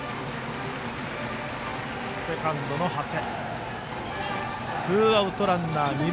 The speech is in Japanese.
セカンドの長谷。